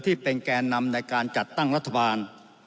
แกนนำในการจัดตั้งรัฐบาล